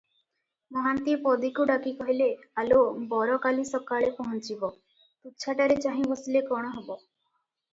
ମହାନ୍ତିଏ ପଦୀକୁ ଡାକି କହିଲେ, "ଆଲୋ! ବର କାଲି ସକାଳେ ପହଞ୍ଚିବ, ତୁଚ୍ଛାଟାରେ ଚାହିଁ ବସିଲେ କଣ ହେବ?